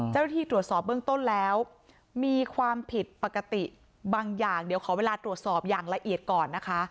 เจ้าหน้าที่ตรวจสอบเบื้องต้นแล้วมีความผิดปกติบางอย่างเดี๋ยวขอเวลาตรวจสอบอย่างละเอียดก่อนนะคะ